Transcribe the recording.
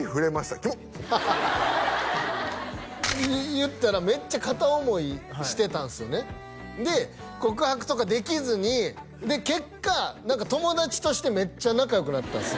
言ったらめっちゃ片思いしてたんすよねで告白とかできずに結果友達としてめっちゃ仲良くなったんすよ